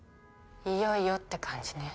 いよいよって感じね。